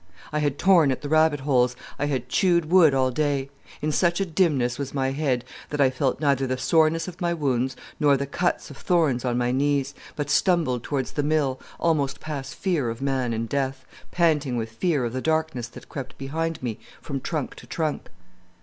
I had torn at the rabbit holes, I had chewed wood all day. In such a dimness was my head that I felt neither the soreness of my wounds nor the cuts of thorns on my knees, but stumbled towards the mill, almost past fear of man and death, panting with fear of the darkness that crept behind me from trunk to trunk.